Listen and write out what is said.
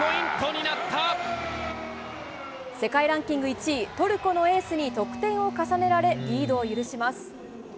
世界ランキング１位、トルコのエースに得点を重ねられ、リードを許します。